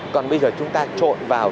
còn bây giờ chúng ta trộn vào